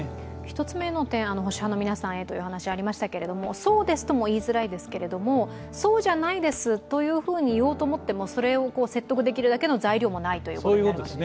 １つ目の点、保守派の皆さんへということがありましたがそうですとも言いづらいですけれども、そうじゃないですと言おうと思ってもそれを説得できるだけの材料もないということになるわけですか。